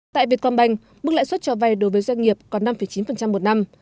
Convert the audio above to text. tại việt quang bành mức lãi suất cho vay đối với doanh nghiệp còn năm chín một năm